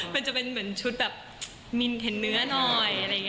มันจะเป็นเหมือนชุดแบบนีร์แขนเนื้อหน่อย